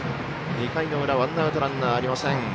２回の裏、ワンアウトランナーありません。